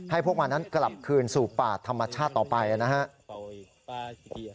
พวกมันนั้นกลับคืนสู่ป่าธรรมชาติต่อไปนะครับ